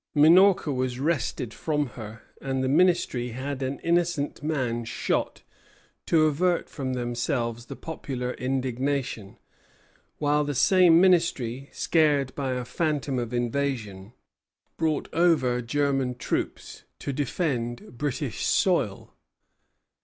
Minorca was wrested from her, and the Ministry had an innocent man shot to avert from themselves the popular indignation; while the same Ministry, scared by a phantom of invasion, brought over German troops to defend British soil.